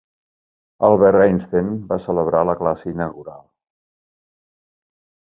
Albert Einstein va celebrar la classe inaugural.